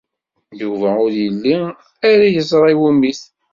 Yuba ur yelli ara yeẓra i wumi-t.